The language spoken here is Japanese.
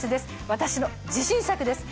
私の自信作です！